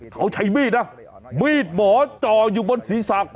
เขาใช้มีดอะมีดหมอจ่อยอยู่บนศรีษะของหลวงพ่อ